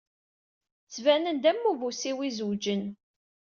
Ttbanen-d am ubusin izewǧen.